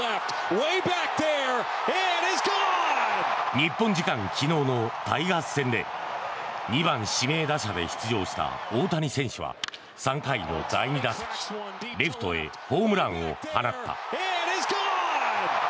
日本時間昨日のタイガース戦で２番指名打者で出場した大谷選手は３回の第２打席レフトへホームランを放った。